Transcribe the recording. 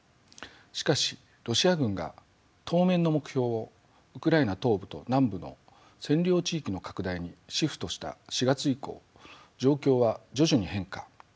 しかしロシア軍が当面の目標をウクライナ東部と南部の占領地域の拡大にシフトした４月以降状況は徐々に変化。